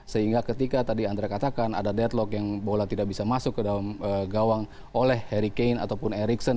sehingga ketika tadi andra katakan ada deadlock yang bola tidak bisa masuk ke dalam gawang oleh harry kane ataupun ericson